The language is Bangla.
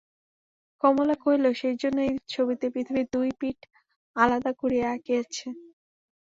কমলা কহিল, সেইজন্য এই ছবিতে পৃথিবীর দুই পিঠ আলাদা করিয়া আঁকিয়াছে।